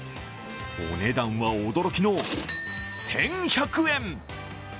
お値段は驚きの１１００円。